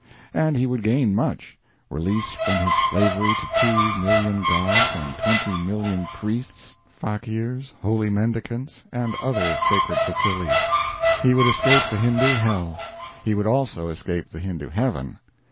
And he would gain much release from his slavery to two million gods and twenty million priests, fakeers, holy mendicants, and other sacred bacilli; he would escape the Hindoo hell; he would also escape the Hindoo heaven.